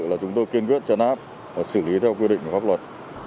là chúng tôi kiên quyết chấn áp và xử lý theo quy định của pháp luật